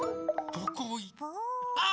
どこいっ。